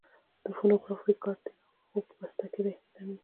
د فونوګراف رېکارډ دې راوړ؟ هو، په بسته کې دننه.